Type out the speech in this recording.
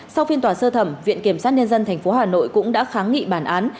sau phiên tòa sơ thẩm viện kiểm sát nhân dân tp hà nội cũng đã kháng nghị bản án